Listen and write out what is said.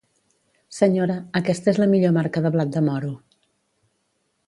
Senyora, aquesta és la millor marca de blat de moro.